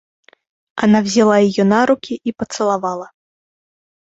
Она взяла ее на руки и поцеловала.